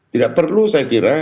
tidak perlu saya kira